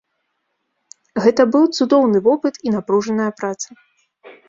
Гэта быў цудоўны вопыт і напружаная праца.